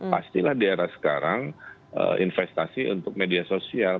pastilah di era sekarang investasi untuk media sosial